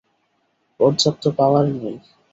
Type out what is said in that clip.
পর্যাপ্ত পাওয়ার নেই।